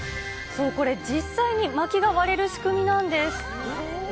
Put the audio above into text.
これ、実際にまきが割れる仕組みなんです。